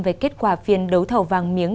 về kết quả phiên đấu thầu vàng miếng